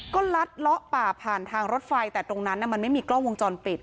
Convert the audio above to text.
ก็ลัดเลาะป่าผ่านทางรถไฟแต่ตรงนั้นมันไม่มีกล้องวงจรปิด